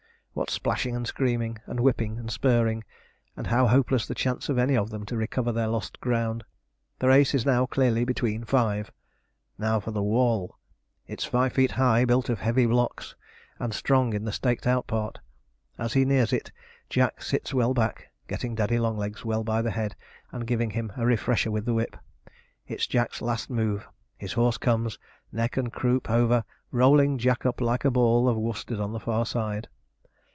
What splashing and screaming, and whipping and spurring, and how hopeless the chance of any of them to recover their lost ground. The race is now clearly between five. Now for the wall! It's five feet high, built of heavy blocks, and strong in the staked out part. As he nears it, Jack sits well back, getting Daddy Longlegs well by the head, and giving him a refresher with the whip. It is Jack's last move! His horse comes, neck and croup over, rolling Jack up like a ball of worsted on the far side.